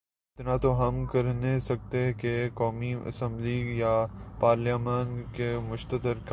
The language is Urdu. اتنا تو ہم کرنہیں سکتے کہ قومی اسمبلی یا پارلیمان کے مشترکہ